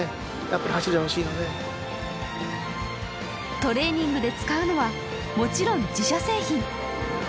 トレーニングで使うのはもちろん自社製品。